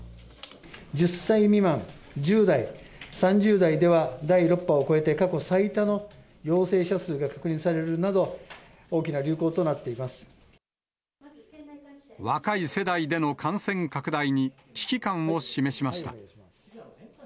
１０歳未満、１０代、３０代では、第６波を超えて、過去最多の陽性者数が確認されるなど、若い世代での感染拡大に、危機感を示しました。